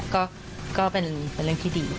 ก็เป็นเรื่องที่ดี